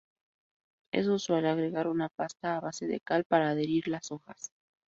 Es usual agregar una pasta a base de cal para adherir las hojas.